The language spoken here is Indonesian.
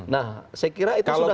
nah saya kira itu sudah